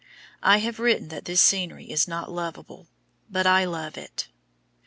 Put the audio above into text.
I have written that this scenery is not lovable, but I love it.